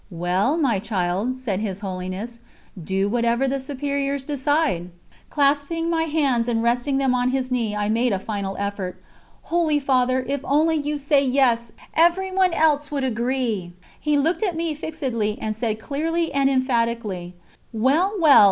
"Well, my child," said His Holiness, "do whatever the Superiors decide." Clasping my hands and resting them on his knee, I made a final effort: "Holy Father, if only you say 'yes,' everyone else would agree." He looked at me fixedly and said clearly and emphatically: "Well, well!